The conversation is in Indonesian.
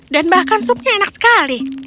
dan bahkan supnya enak sekali